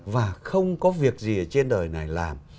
và không có việc gì ở trên đời này làm